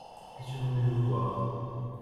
je suis venu vous voir.